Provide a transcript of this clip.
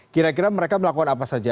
kira kira mereka melakukan apa saja